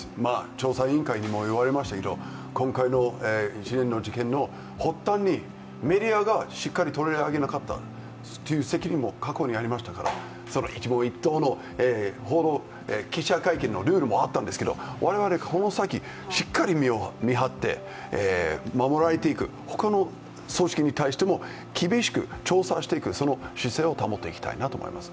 調査委員会にも言われましたけど今回の一連の事件の発端にメディアがしっかり取り上げなかったという責任も過去にありましたから、一問一答の報道、記者会見のルールもあったんですけど、我々、この先、しっかり見張って守られていく、他の組織に対しても厳しく調査していく、その姿勢を保っていきたいなと思います。